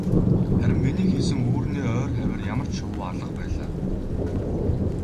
Харин миний хийсэн үүрний ойр хавиар ямарч шувуу алга байлаа.